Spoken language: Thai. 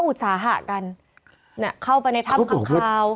อุตสาหะกันเนี่ยเข้าไปในห้ำท้ำขั้นข้าว